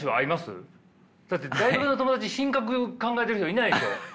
だって大学の友達品格考えてる人いないでしょ？